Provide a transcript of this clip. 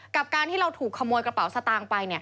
กับการที่เราถูกขโมยกระเป๋าสตางค์ไป